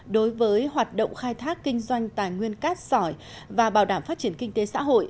đối với hoạt động khai thác kinh doanh tài nguyên cát sỏi và bảo đảm phát triển kinh tế xã hội